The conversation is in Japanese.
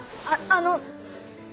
あの。